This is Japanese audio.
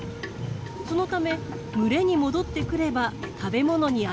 そのため群れに戻ってくれば食べ物にありつけるのです。